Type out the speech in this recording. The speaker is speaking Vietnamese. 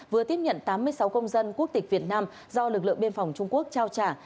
vừa tiếp nhận tám mươi sáu công dân quốc tịch việt nam do lực lượng biên phòng trung quốc trao trả